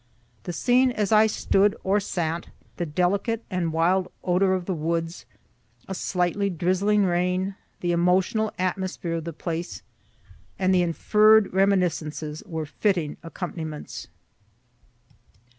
The scene as I stood or sat, the delicate and wild odor of the woods, a slightly drizzling rain, the emotional atmosphere of the place, and the inferr'd reminiscences, were fitting accompaniments.